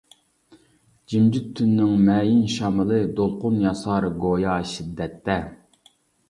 جىمجىت تۈننىڭ مەيىن شامىلى، دولقۇن ياسار گويا شىددەتتە.